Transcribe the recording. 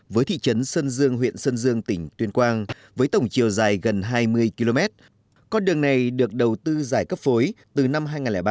với thị trấn sơn dương huyện sơn dương tỉnh tuyên quang với tổng chiều dài gần hai mươi km con đường này được đầu tư dài cấp phối từ năm hai nghìn ba